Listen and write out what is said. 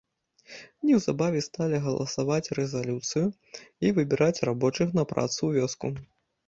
Неўзабаве сталі галасаваць рэзалюцыю і выбіраць рабочых на працу ў вёску.